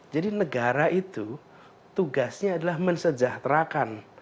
jadi negara itu tugasnya adalah mensejahterakan